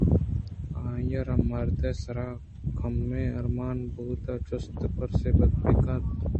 آئی ءَ را مرد ءِ سرءَ کمے ارمان بوت ءَ جست ءُپُرسےءِبنا کُت